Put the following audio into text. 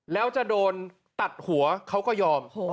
แล้วจะโดนตัดหัวเขาก็ยอม